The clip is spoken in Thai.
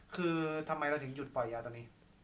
คือทำไมเราถึงหยุดปล่อยยาตอนนี้